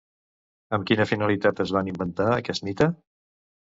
Amb quina finalitat es van inventar aquest mite?